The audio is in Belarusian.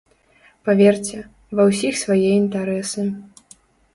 Паверце, ва ўсіх свае інтарэсы.